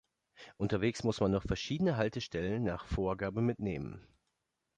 Unterwegs muss man noch verschiedene Haltestellen nach Vorgabe mitnehmen.